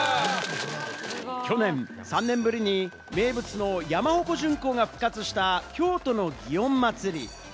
去年３年ぶりに名物の山鉾巡行が復活した京都の祇園祭。